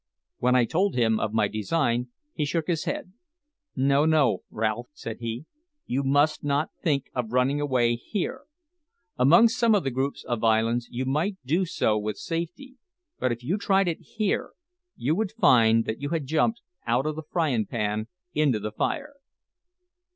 When I told him of my design he shook his head. "No, no, Ralph," said he; "you must not think of running away here. Among some of the groups of islands you might do so with safety; but if you tried it here, you would find that you had jumped out of the fryin' pan into the fire."